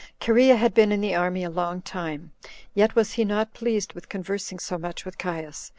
5. Cherea had been in the army a long time, yet was he not pleased with conversing so much with Caius.